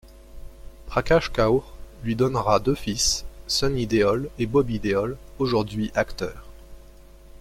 Prakash Kaur lui donnera deux fils, Sunny Deol et Bobby Deol, aujourd'hui acteurs.